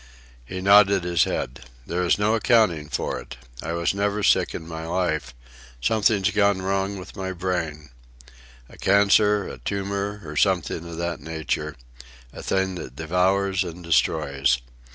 He nodded his head. "There is no accounting for it. I was never sick in my life. Something's gone wrong with my brain. A cancer, a tumour, or something of that nature,—a thing that devours and destroys.